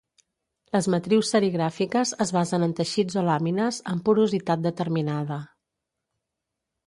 Les matrius serigràfiques es basen en teixits o làmines amb porositat determinada.